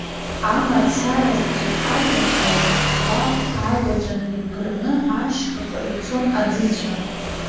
Амацара заҵәык ажәҩан иалхәхәа, агаҿантәи иԥырны, ашьхаҟа ицон аӡыцәа.